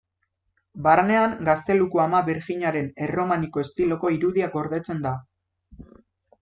Barnean Gazteluko Ama Birjinaren erromaniko estiloko irudia gordetzen da.